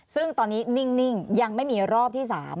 ซึ่งตอนนี้นิ่งยังไม่มีรอบที่๓